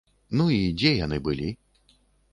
Ну, і дзе яны былі?